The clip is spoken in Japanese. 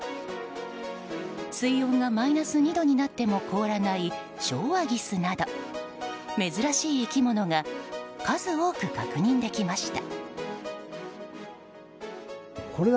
水温がマイナス２度になっても凍らないショウワギスなど珍しい生き物が数多く確認できました。